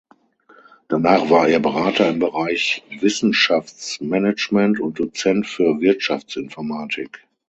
Danach war er Berater im Bereich Wissenschaftsmanagement und Dozent für Wirtschaftsinformatik.